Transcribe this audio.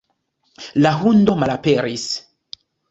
La hundo malaperis.